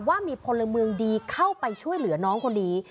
ว่ามีพลเมืองดีเข้าไปช่วยเหลือน้องคนนี้